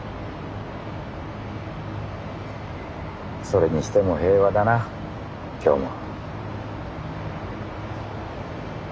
それにしても平和だな今日も。